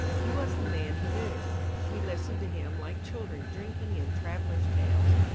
He was the man who knew. We listened to him like children drinking in travellers' tales.